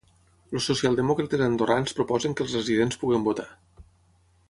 Els socialdemòcrates andorrans proposen que els residents puguin votar.